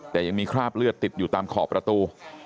แต่ยังมีคราบเลือดติดอยู่ตามขอบประตู